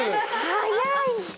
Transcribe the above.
・早い！